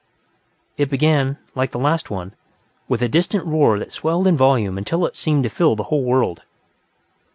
It began, like the last one, with a distant roar that swelled in volume until it seemed to fill the whole world.